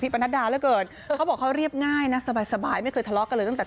พี่ปรณัชดาร์กับผมพหายเรียบง่ายนะสบายไม่คุยทะเลาะกันหรือตัด